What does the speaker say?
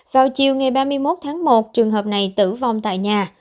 vào chiều ngày ba mươi một tháng một trường hợp này tử vong tại nhà